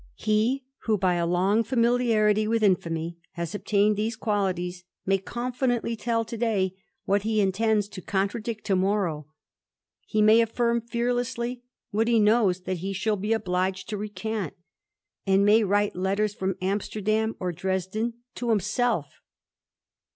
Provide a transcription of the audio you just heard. He who by a long familiarity with ni^y has obtained these qualities, may confidently tell 'o^y what he intends to contradict to morrow; he may affirm fearlessly what he knows that he shall be obliged to ■"ccant, and may write letters from Amsterdam or Dresden to himself.